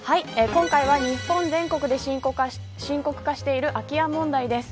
今回は、日本全国で深刻化している空き家問題です。